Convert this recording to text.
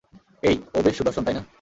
এই, ও বেশ সুদর্শন, তাই না?